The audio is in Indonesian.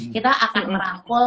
kita akan merampol